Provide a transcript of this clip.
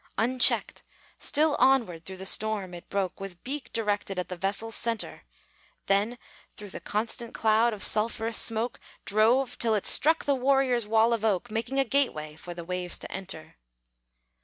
Unchecked, still onward through the storm it broke, With beak directed at the vessel's centre; Then through the constant cloud of sulphurous smoke Drove, till it struck the warrior's wall of oak, Making a gateway for the waves to enter.